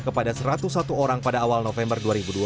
kepada satu ratus satu orang pada awal november dua ribu dua puluh